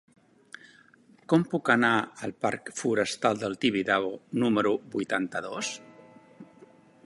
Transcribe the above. Com puc anar al parc Forestal del Tibidabo número vuitanta-dos?